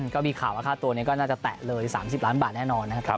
ก็มีข่าวว่าค่าตัวนี้ก็น่าจะแตะเลย๓๐ล้านบาทแน่นอนนะครับ